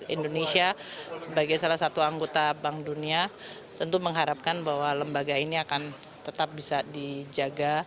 indonesia sebagai salah satu anggota bank dunia tentu mengharapkan bahwa lembaga ini akan tetap bisa dijaga